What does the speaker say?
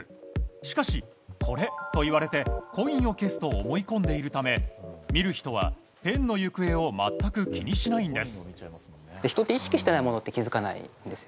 しかし、これと言われてコインを消すと思い込んでいるため見る人は、ペンの行方を全く気にしないんです。